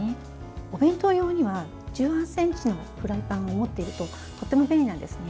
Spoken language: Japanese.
お弁当用には１８ｃｍのフライパンを持っているととても便利なんですね。